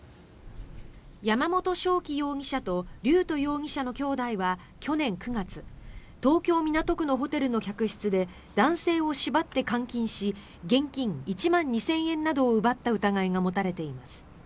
山本翔輝容疑者と龍斗容疑者の兄弟は去年９月東京・港区のホテルの客室で男性を縛って監禁し現金１万２０００円などを奪った疑いが持たれています。